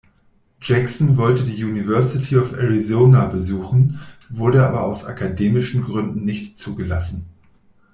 Jackson wollte die University of Arizona besuchen, wurde aber aus akademischen Gründen nicht zugelassen.